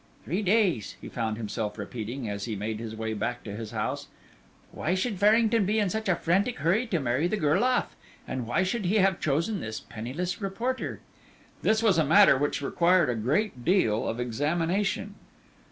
"Three days," he found himself repeating, as he made his way back to his house. "Why should Farrington be in such a frantic hurry to marry the girl off, and why should he have chosen this penniless reporter?" This was a matter which required a great deal of examination.